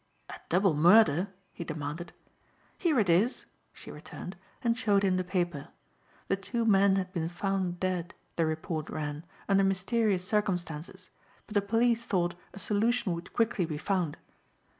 "A double murder?" he demanded. "Here it is," she returned, and showed him the paper. The two men had been found dead, the report ran, under mysterious circumstances, but the police thought a solution would quickly be found.